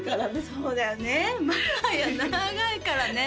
そうだよね